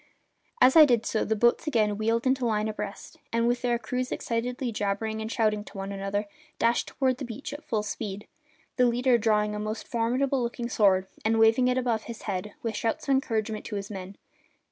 As I did so the boats again wheeled into line abreast and, with their crews excitedly jabbering and shouting to each other, dashed toward the beach at full speed, the leader drawing a most formidable looking sword and waving it above his head, with shouts of encouragement to his men.